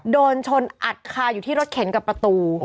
โดนชนอัดคาอยู่ที่รถเข็นกับประตู